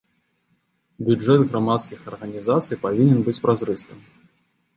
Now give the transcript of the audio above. Бюджэт грамадскіх арганізацый павінен быць празрыстым.